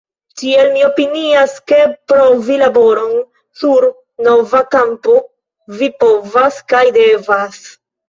Tial mi opinias, ke provi laboron sur nova kampo vi povas kaj devas.